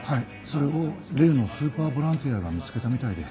それを例のスーパーボランティアが見つけたみたいで。